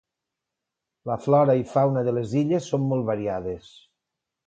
La flora i fauna de les illes són molt variades.